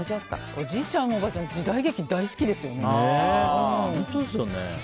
おじいちゃんもおばあちゃんも時代劇大好きですよね。